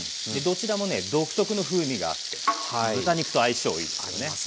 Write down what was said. でどちらもね独特の風味があって豚肉と相性いいですね。